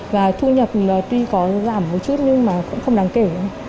và thu nhập tuy có giảm một chút nhưng mà cũng không đáng kể